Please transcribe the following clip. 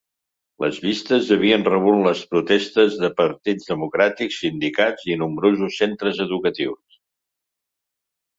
Les vistes havien rebut les protestes de partits democràtics, sindicats i nombrosos centres educatius.